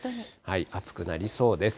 暑くなりそうです。